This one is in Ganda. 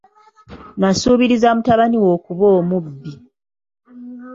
Nasuubiriza mutabani wo okuba omubbi.